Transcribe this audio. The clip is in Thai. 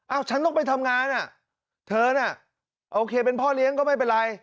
ฉันต้องไปทำงานอ่ะเธอน่ะโอเคเป็นพ่อเลี้ยงก็ไม่เป็นไร